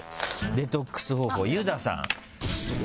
デトックス方法ユダさん。